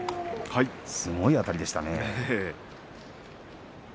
すごいあたりでしたね。